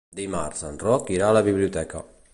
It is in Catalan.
Dimarts en Roc irà a la biblioteca.